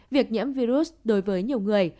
việc nhiễm virus đối với nhiều người